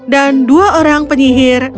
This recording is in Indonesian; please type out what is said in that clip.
dan dua orang penyihir